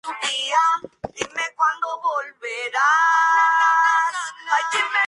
Estos se componen de pinturas, grabados, esculturas en bronce, entre otros soportes.